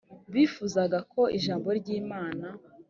bifuzaga ko ijambo ry imana